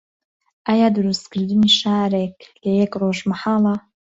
ئایا دروستکردنی شارێک لە یەک ڕۆژ مەحاڵە؟